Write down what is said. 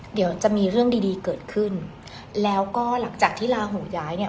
เดี๋ยวจะมีเรื่องดีดีเกิดขึ้นแล้วก็หลังจากที่ลาหูย้ายเนี่ย